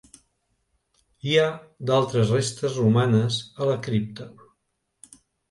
Hi ha d'altres restes romanes a la cripta.